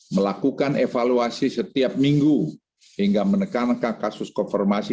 melakukan evaluasi setiap minggu hingga menekankan kasus konfirmasi